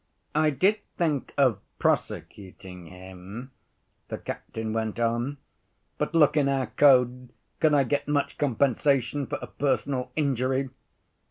"I did think of prosecuting him," the captain went on, "but look in our code, could I get much compensation for a personal injury?